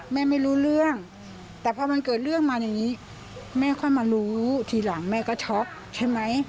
ไม่รู้เรื่องแต่พอมันเกิดเรื่องมาอย่างนี้แม่ค่อยมารู้ทีหลังแม่ก็ช็อกใช่ไหม